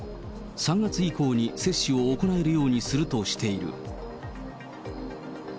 ３月以降に接種を行えるようにするとしている。